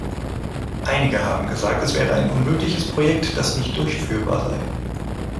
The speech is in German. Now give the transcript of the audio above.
Einige haben gesagt, es wäre ein unmögliches Projekt, das nicht durchführbar sei.